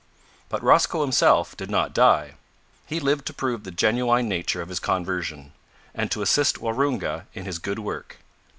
But Rosco himself did not die. He lived to prove the genuine nature of his conversion, and to assist Waroonga in his good work.